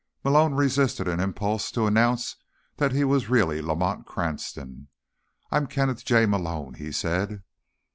Malone resisted an impulse to announce that he was really Lamont Cranston. "I'm Kenneth J. Malone," he said.